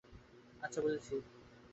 আচ্ছা, বুঝেছি।